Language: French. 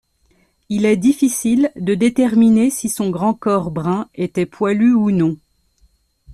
Il est difficile de déterminer si son grand corps brun était poilu ou non.